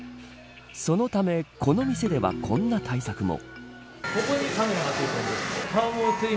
そのためこの店ではこんな対策も。